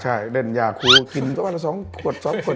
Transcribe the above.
ใช่เล่นยาครูกินเท่าไหร่๒ขวด๒ขวด